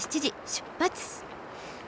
出発！